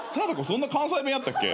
そんな関西弁やったっけ？